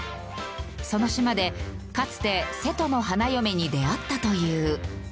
その島でかつて瀬戸の花嫁に出会ったという。